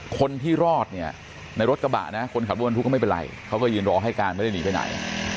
คนที่รอดเนี่ยในรถกระบะนะคนขับรถบรรทุกก็ไม่เป็นไรเขาก็ยืนรอให้การไม่ได้หนีไปไหน